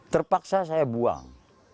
terpaksa saya buang